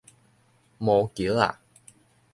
毛茄仔